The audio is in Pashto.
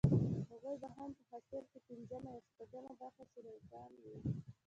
هغوې به هم په حاصل کښې پينځمه يا شپږمه برخه شريکان وو.